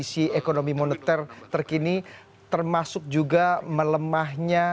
kondisi ekonomi moneter terkini termasuk juga melemahnya